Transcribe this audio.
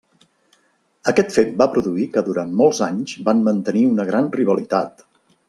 Aquest fet va produir que durant molts anys van mantenir una gran rivalitat.